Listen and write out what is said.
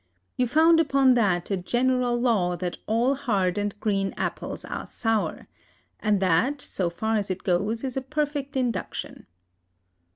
You found upon that a general law that all hard and green apples are sour; and that, so far as it goes, is a perfect induction.